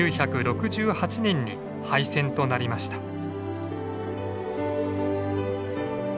１９６８年に廃線となりました。